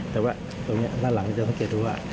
แต่ว่าตรงนี้ด้านหลังมันเจอก็เก็บรู้ว่า